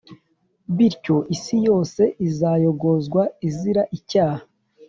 bityo isi yose izayogozwe izira icyaha,